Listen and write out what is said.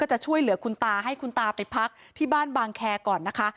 จะช่วยเหลือคุณตาให้คุณตาไปพักที่บ้านบางแคร์ก่อนนะคะ